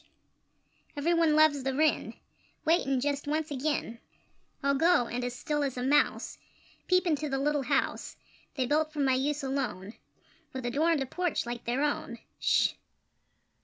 Every one loves the Wren! Wait, and just once again I'll go, and, as still as a mouse, Peep into the little house They built for my use alone, With a door and a porch like their own! Sh!